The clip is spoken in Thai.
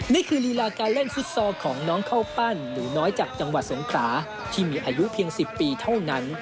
ลีลาการเล่นฟุตซอลของน้องเข้าปั้นหนูน้อยจากจังหวัดสงขราที่มีอายุเพียง๑๐ปีเท่านั้น